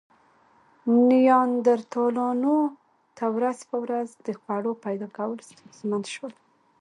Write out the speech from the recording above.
نیاندرتالانو ته ورځ په ورځ د خوړو پیدا کول ستونزمن شول.